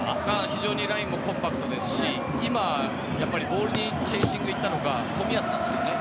非常にラインもコンパクトですし今、ボールにチェイシングしたのが冨安なんですね。